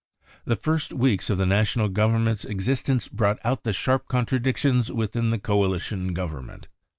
The first weeks of the National Government's existence brought out the sharp contradictions within the Coalition government.